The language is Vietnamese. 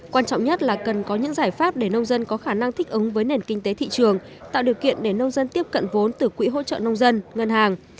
quan trọng nhất là cần có những giải pháp để nông dân có khả năng thích ứng với nền kinh tế thị trường tạo điều kiện để nông dân tiếp cận vốn từ quỹ hỗ trợ nông dân ngân hàng